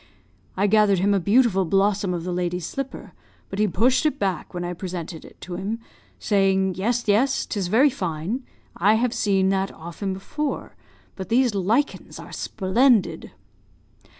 I gathered him a beautiful blossom of the lady's slipper; but he pushed it back when I presented it to him, saying, 'Yes, yes; 'tis very fine. I have seen that often before; but these lichens are splendid.'